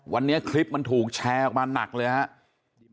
วันนี้คลิปมันถูกแชร์ออกมาหนักเลยครับ